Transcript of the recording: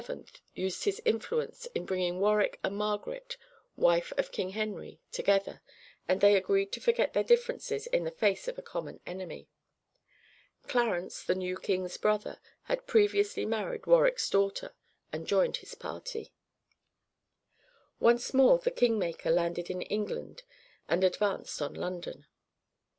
used his influence in bringing Warwick and Margaret, wife of King Henry, together, and they agreed to forget their differences in the face of a common enemy. Clarence, the new king's brother, had previously married Warwick's daughter, and joined his party. Once more the king maker landed in England and advanced on London.